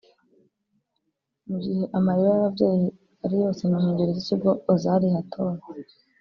Mu gihe amarira y’ababyeyi ari yose mu nkengero z’ikigo Ozar Hatorah